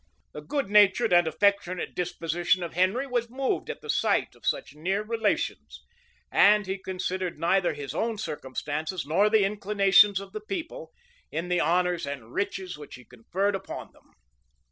The good natured and affectionate disposition of Henry was moved at the sight of such near relations; and he considered neither his own circumstances, nor the inclinations of his people, in the honors and riches which he conferred upon them.